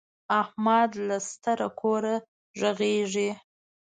احمد له ستره کوره غږيږي.